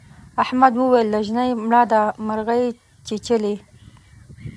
احمد وويل: نجلۍ مړه ده مرغۍ چیچلې.